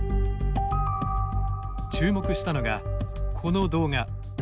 注目したのが、この動画。